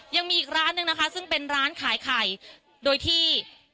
ยังมีอีกร้านหนึ่งนะคะซึ่งเป็นร้านขายไข่โดยที่